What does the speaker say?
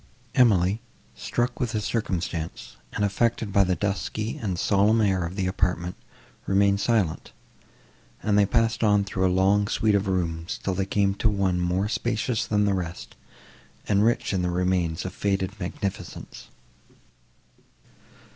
Emily, struck with the circumstance, and affected by the dusky and solemn air of the apartment, remained silent, and they passed on through a long suite of rooms, till they came to one more spacious than the rest, and rich in the remains of faded magnificence.